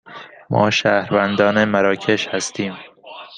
ما شهروندان مراکش هستیم.